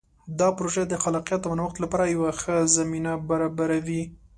دا پروژه د خلاقیت او نوښت لپاره یوه ښه زمینه برابروي.